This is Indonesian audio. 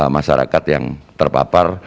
masyarakat yang terpapar